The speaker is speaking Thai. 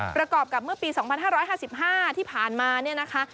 ประกอบกับเมื่อปี๒๕๕๕ที่ผ่านมาเนี่ยนะคะ